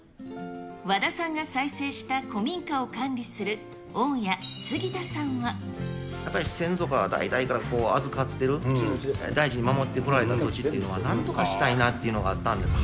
和田さんが再生した古民家を管理する大家、やっぱり先祖から代々から預かってる、大事に守ってこられた土地っていうのは、なんとかしたいなっていうのがあったんです。